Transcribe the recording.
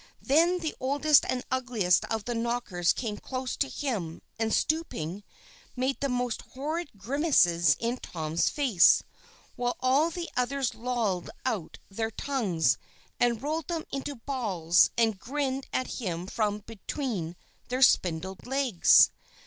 Then the oldest and ugliest of the Knockers came close to him, and stooping, made the most horrid grimaces in Tom's face; while all the others lolled out their tongues, and rolled themselves into balls, and grinned at him from between their spindle legs.